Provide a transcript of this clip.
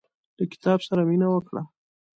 له کتاب سره مينه وکړه.